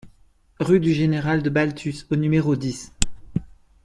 Rue du Général de Baltus au numéro dix